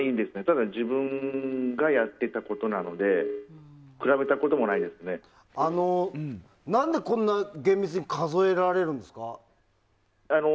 ただ自分がやっていたことなのでなんでこんな厳密に数えられるんですか。